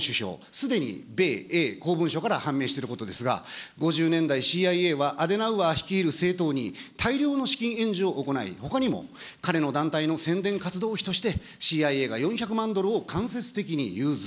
すでに米英公文書から判明していることですが、５０年代、ＣＩＡはアデナウアー率いる政党に大量の資金援助を行い、ほかにも彼の団体の宣伝活動費として、ＣＩＡが４００万ドルを間接的に融通。